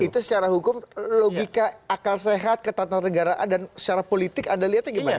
itu secara hukum logika akal sehat ketatanegaraan dan secara politik anda lihatnya gimana